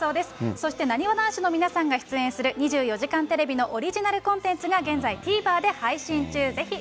そしてなにわ男子の皆さんが出演する２４時間テレビのオリジナルコンテンツが現在、ＴＶｅｒで配信中。